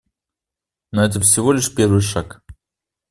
Но это всего лишь первый шаг.